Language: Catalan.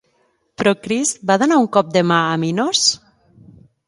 Procris va donar un cop de mà a Minos?